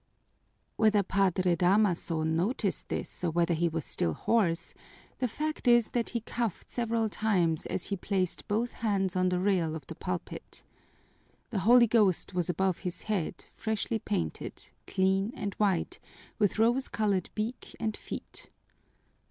Whether Padre Damaso noticed this or whether he was still hoarse, the fact is that he coughed several times as he placed both hands on the rail of the pulpit. The Holy Ghost was above his head, freshly painted, clean and white, with rose colored beak and feet.